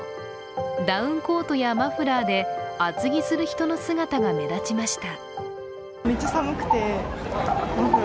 ダウンコートやマフラーで厚着する人の姿が目立ちました。